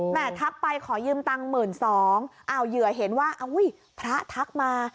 ทักไปขอยืมตังค์หมื่นสองอ้าวเหยื่อเห็นว่าอุ้ยพระทักมา